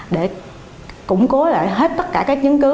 để củng cố lại hết tất cả các chứng cứ